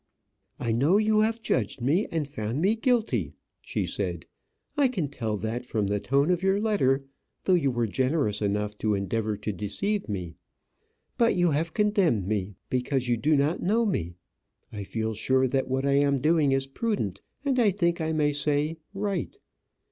"I know you have judged me, and found me guilty," she said. "I can tell that from the tone of your letter, though you were generous enough to endeavour to deceive me. But you have condemned me because you do not know me. I feel sure that what I am doing, is prudent, and, I think I may say, right.